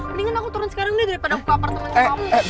mendingan aku turun sekarang deh daripada ke apartemen kamu